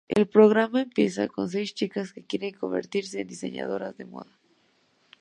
El programa empieza con seis chicas que quieren convertirse en diseñadora de moda.